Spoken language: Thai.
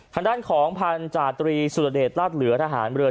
ทางด้านของผัญจาดตรีสุรเดชรัฐเหลือทหารบริเวณ